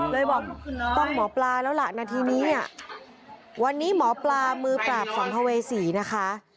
เลยบอกต้องหมอปลาแล้วล่ะนาทีนี้วันนี้หมอปลามือปราบสัมภเวษีนะคะ